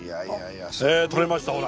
とれましたほら。